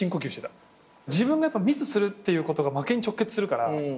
自分がミスするっていうことが負けに直結するから。